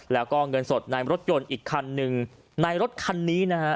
แล้วก็เงินสดในรถยนต์อีกคันหนึ่งในรถคันนี้นะฮะ